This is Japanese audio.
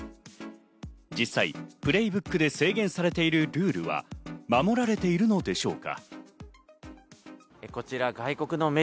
実際プレイブックで制限されているルールは守られているのでしょうか。